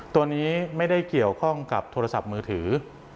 ตัวนี้ไม่ได้เกี่ยวข้องกับโทรศัพท์มือถือ